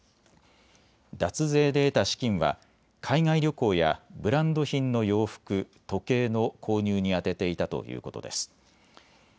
脱税で得た資金は海外旅行やブランド品の洋服、時計の購入に充てていたということです。